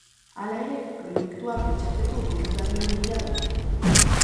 Hala ere, proiektua pentsatzeko boluntarioen bila daude.